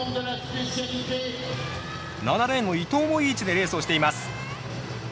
７レーンの伊藤もいい位置でレースをしています。